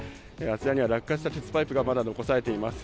あちらには落下した鉄パイプがまだ残されています。